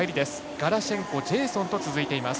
ガラシェンコ、ジェイソンと続いています。